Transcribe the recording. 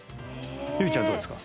結実ちゃんどうですか？